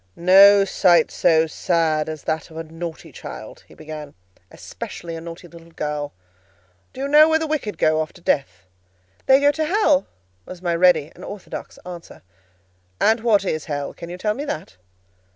"No sight so sad as that of a naughty child," he began, "especially a naughty little girl. Do you know where the wicked go after death?" "They go to hell," was my ready and orthodox answer. "And what is hell? Can you tell me that?"